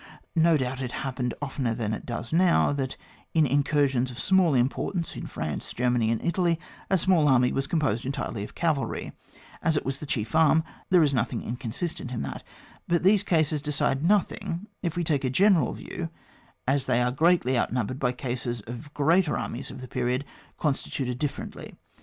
No doubt it happened oftener than it does now, that in incursions of small importance in France, Germany, and Itfidy, a small army was composed entirely of cavalry ; as it was the chief arm, there is nothing inconsistent in that; but these cases decide nothing if we take a general view, as they are greatly outnumbered by cases of greater armies of the period constituted differently.